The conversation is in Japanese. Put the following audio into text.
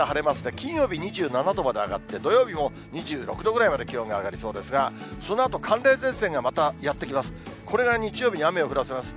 金曜日２７度まで上がって、土曜日も２６度ぐらいまで気温が上がりそうですが、そのあと、寒冷前線がまたやって来ますね。